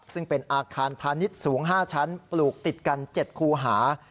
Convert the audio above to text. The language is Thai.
ซึ่งเป็นอาคารพาณิชย์สูง๕ชั้นปลูกติดกัน๗คูหา